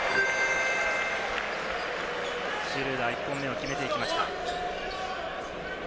シュルーダー、１本目を決めていきました。